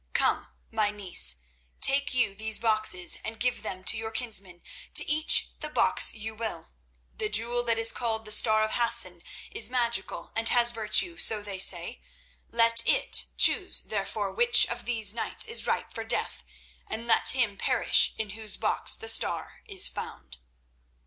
Come, my niece, take you these boxes and give them to your kinsmen, to each the box you will. The jewel that is called the Star of Hassan is magical, and has virtue, so they say. Let it choose, therefore, which of these knights is ripe for death, and let him perish in whose box the Star is found."